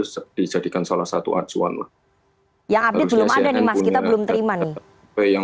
sepijat ikan salah satu acuan yang ada di sini masih kita belum terima nih yang